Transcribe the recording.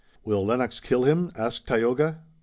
"Will Lennox kill him?" asked Tayoga.